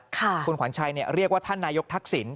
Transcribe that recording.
ค่ะคุณขวัญชัยเนี่ยเรียกว่าท่านนายกทักศิลป์